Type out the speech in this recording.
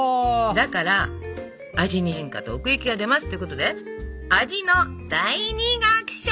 だから味に変化と奥行きが出ますっていうことで味の第二楽章！